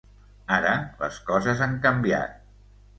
Ara les coses han canviat.